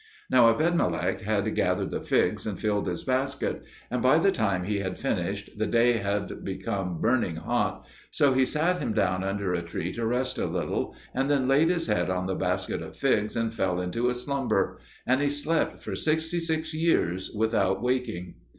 Now Ebedmelech had gathered the figs, and filled his basket; and by the time he had finished, the day had become burning hot. So he sat him down under a tree to rest a little, and then laid his head on the basket of figs and fell into a slumber. And he slept for sixty six years without waking.